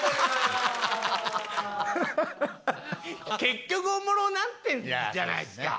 結局おもろなってんじゃないですか！